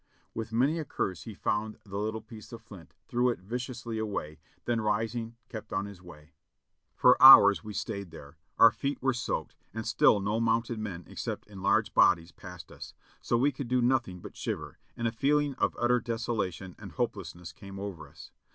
With many a curse he found the little piece of flint, threw it viciously away, then rising kept on his way. For hours we stayed there ; our feet were soaked ; and still no mounted men except in large bodies passed us; so we could do nothing but shiver, and a feeling of utter desolation and hope lessness came over us.